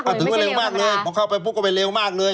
เพราะถือว่าเร็วมากเลยมองเข้าไปปุ๊บก็เป็นเร็วมากเลย